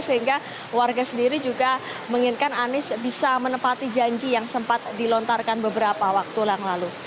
sehingga warga sendiri juga menginginkan anies bisa menepati janji yang sempat dilontarkan beberapa waktu yang lalu